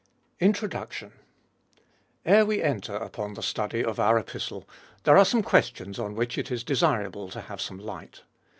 INTRODUCTION. ERE we enter upon the study of our Epistle, there are some questions on which it is desirable to have some light.